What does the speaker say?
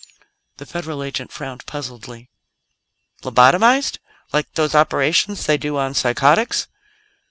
The Federal agent frowned puzzledly. "Lobotomized? Like those operations they do on psychotics?"